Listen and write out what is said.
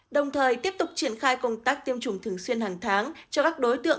đồng thời tiếp tục triển khai công tác tiêm chủng thường xuyên hàng tháng cho các đối tượng